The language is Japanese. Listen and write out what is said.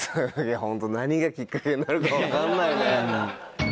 ホント何がきっかけになるか分かんないね。